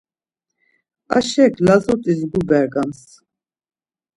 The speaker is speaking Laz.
Aşek lazut̆is gubergams.